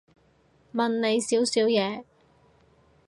問你少少嘢